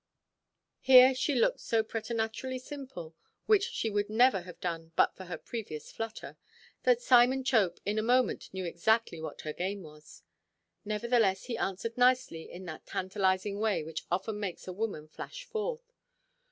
Here she looked so preternaturally simple, which she would never have done but for her previous flutter, that Simon Chope in a moment knew exactly what her game was. Nevertheless, he answered nicely in that tantalizing way which often makes a woman flash forth.